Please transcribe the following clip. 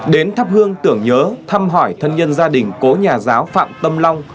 đến thắp hương tưởng nhớ thăm hỏi thân nhân gia đình cố nhà giáo phạm tâm long